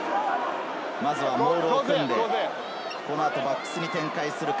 モールを組んで、この後バックスに展開するか。